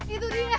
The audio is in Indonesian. itu dia gak